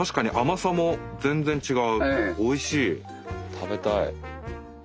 食べたい。